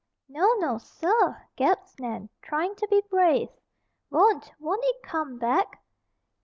"No, no, sir," gasped Nan, trying to be brave. "Won't, won't it come back?"